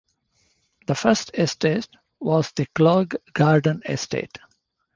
The first estate was the Clague Garden Estate.